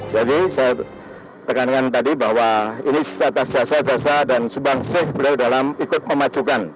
jadi saya tekanan tadi bahwa ini setatas jasa jasa dan subang seh berdalam ikut memacukan